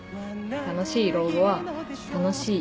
楽しい老後は楽しい